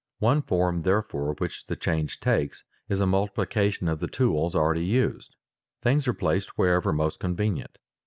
One form, therefore, which the change takes, is a multiplication of the tools already used. Things are placed wherever most convenient.